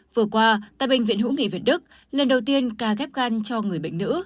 vừa qua tại bệnh viện hữu nghị việt đức lần đầu tiên ca ghép gan cho người bệnh nữ